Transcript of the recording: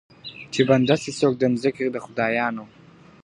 چي بنده سي څوک د مځکي د خدایانو .